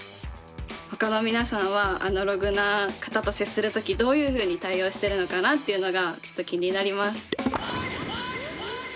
他の皆さんはアナログな方と接する時どういうふうに対応してるのかなっていうのがちょっと気になります。